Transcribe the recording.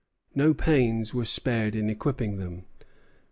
No pains were spared in equipping them.